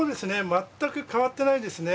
全く変わってないですね。